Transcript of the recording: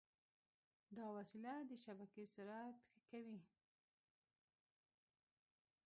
دا وسیله د شبکې سرعت ښه کوي.